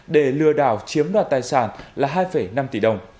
để lừa đảo chiếm đoạt tài sản là hai năm tỷ đồng